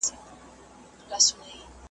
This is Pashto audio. سر پر سر خوراک یې عقل ته تاوان دئ .